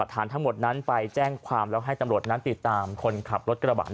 ฐานทั้งหมดนั้นไปแจ้งความแล้วให้ตำรวจนั้นติดตามคนขับรถกระบะ